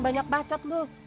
banyak bacot lo